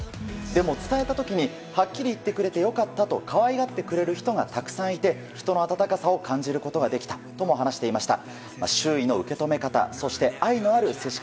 でも伝えた時にはっきり言ってくれて良かったと可愛がってくれる人がたくさんいて、人の温かさを感じることができたとも話していました。